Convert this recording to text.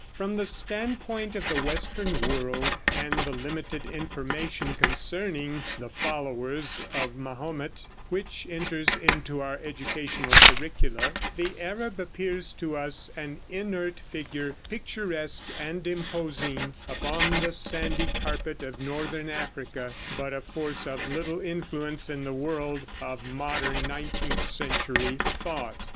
From the standpoint of the western world and the limited information concerning the followers of Mahomet which enters into our educational curricula, the Arab appears to us an inert figure, picturesque and imposing, upon the sandy carpet of northern Africa, but a force of little influence in the world of modern nineteenth century thought.